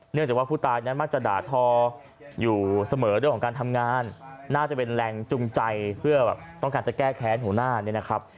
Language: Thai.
จากว่าผู้ตายนั้นมักจะด่าทออยู่เสมอเรื่องของการทำงานน่าจะเป็นแรงจูงใจเพื่อต้องการจะแก้แค้นหัวหน้าเนี่ยนะครับ